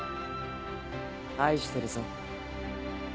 愛してるぞ。